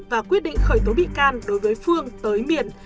và quyết định khởi tố bị can đối với phương tới miền